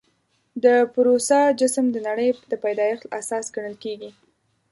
د پوروسا جسم د نړۍ د پیدایښت اساس ګڼل کېږي.